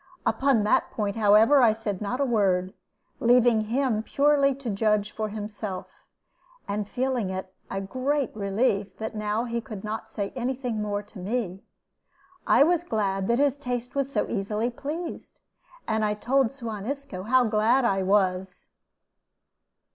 Upon that point, however, I said not a word, leaving him purely to judge for himself, and feeling it a great relief that now he could not say any thing more to me. I was glad that his taste was so easily pleased, and I told Suan Isco how glad I was.